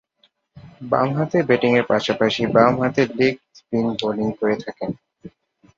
বামহাতে ব্যাটিংয়ের পাশাপাশি বামহাতে লেগ স্পিন বোলিং করে থাকেন।